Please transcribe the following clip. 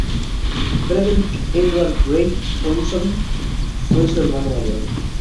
Frederick Edward Grey Ponsonby fue su hermano mayor.